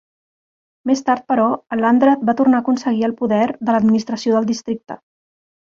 Més tard, però, el Landrat va tornar a aconseguir el poder de l'administració del districte.